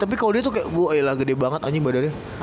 tapi kalau dia tuh kayak wah gede banget anjing badannya